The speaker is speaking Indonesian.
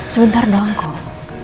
sebentar dong kok